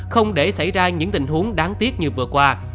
không để xảy ra những tình huống đáng tiếc như vừa qua